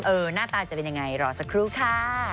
หน้าตาจะเป็นยังไงรอสักครู่ค่ะ